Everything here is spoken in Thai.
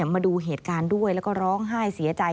มาดูเหตุการณ์ด้วยแล้วก็ร้องไห้เสียใจ